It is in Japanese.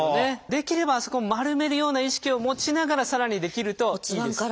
できればあそこは丸めるような意識を持ちながらさらにできるといいです。